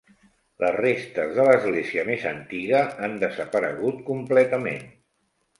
Les restes de l'església més antiga han desaparegut completament.